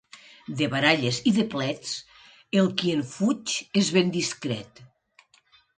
De baralles i de plets, el qui en fuig és ben discret.